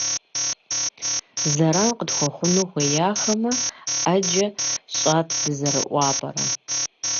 – Зэран къытхуэхъуну хуеяхэмэ, Ӏэджэ щӀат дызэрыӀуапӀэрэ.